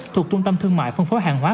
thuộc trung tâm thương mại phân phối hàng hóa